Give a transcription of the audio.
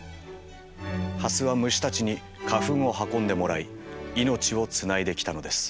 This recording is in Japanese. ハスは虫たちに花粉を運んでもらい命をつないできたのです。